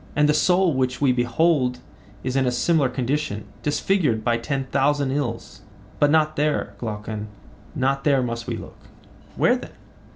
And the soul which we behold is in a similar condition, disfigured by ten thousand ills. But not there, Glaucon, not there must we look. Where then?